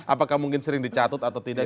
apakah mungkin sering dicatut atau tidak